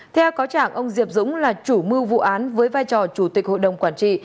theo cáo trạng ông diệp dũng là chủ mưu vụ án với vai trò chủ tịch hội đồng quản trị